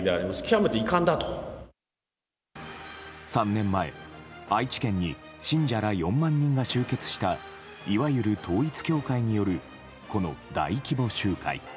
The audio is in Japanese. ３年前、愛知県に信者ら４万人が集結したいわゆる統一教会によるこの大規模集会。